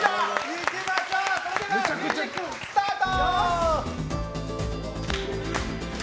いきましょう、それではミュージックスタート！